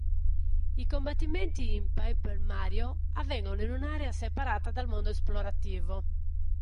I combattimenti in Paper Mario avvengono in un'area separata dal mondo esplorativo.